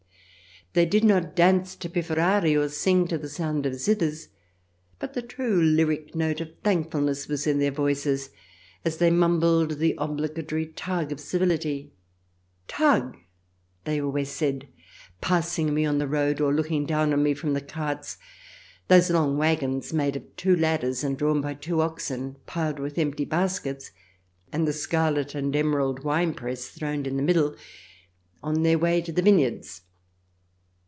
They did not dance to pifferari, or sing to the sound of zithers, but the true lyric note of thankfulness was in their voices as they mumbled the obligatory " Tag 1" of civility. ..." Tag !" they always said, passing me on the road or looking down on me from the carts — those long waggons made of two ladders and drawn by two oxen, piled with empty baskets, and the scarlet and emerald wine press throned in the middle, on their way to the vineyards.